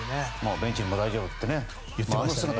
ベンチにも大丈夫って言ってましたね。